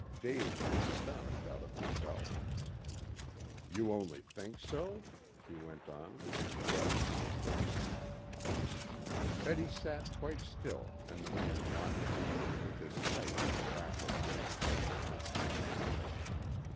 Dave was astonished out of himself. "You only think so?" he went on, his breath coming quickly. Betty sat quite still and the man watched her, with his pipe and tobacco gripped tightly in his great hand.